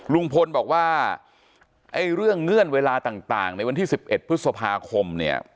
ลุงพลบอกว่าไอ้เรื่องเงื่อนเวลาต่างในวันที่๑๑พฤษภาคมเนี่ย